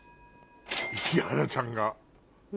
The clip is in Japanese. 石原ちゃんが。